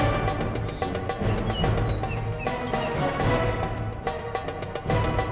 apa kali kita ter situ